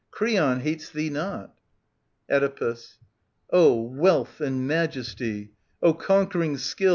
Creon hates thee not. Oedipus. wealth and majesty, O conquering skill N!